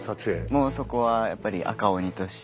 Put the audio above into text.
もうそこはやっぱり赤鬼として。